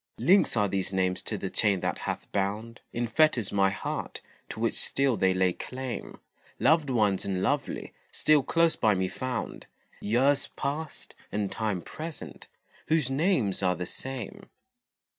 Links are these names to the chain that hath bound In fetters my heart, to which still they lay claim; Loved ones and lovely, still close by me found, Years past, and time present, whose names are the same.